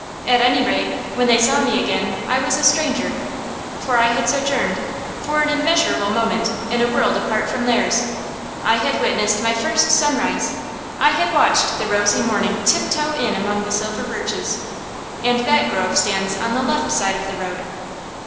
At any rate, when they saw me again, I was a stranger. For I had sojourned, for an immeasurable moment, in a world apart from theirs. I had witnessed my first sunrise; I had watched the rosy morning tiptoe in among the silver birches. And that grove stands on the left side of the road.